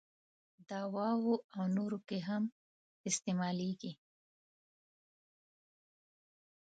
دواوو او نورو کې هم استعمالیږي.